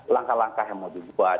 langkah langkah yang mau dibuat